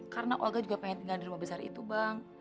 karena olga juga pengen tinggal di rumah besar itu bang